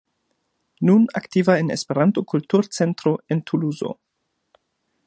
Nun aktiva en Esperanto-Kultur-Centro en Tuluzo.